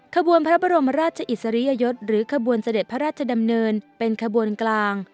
ขบวนพระบรมราชอิสริยยศหรือขบวนเสด็จพระราชดำเนินเป็นขบวนกลาง